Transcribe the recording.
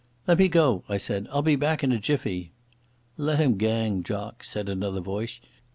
"Let me go," I said. "I'll be back in a jiffy." "Let him gang, jock," said another voice.